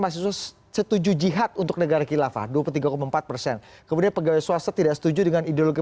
mahasiswa setuju jihad untuk negara khilafah dua puluh tiga empat persen kemudian pegawai swasta tidak setuju dengan ideologi